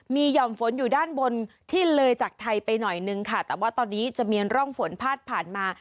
มีห่อมฝนอยู่ด้านบนที่เลยจากไทยไปหน่อยนึงค่ะแต่ว่าตอนนี้จะมีร่องฝนพาดผ่านมา